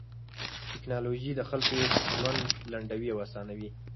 ټکنالوژي د خلکو ژوند لنډوي او اسانوي.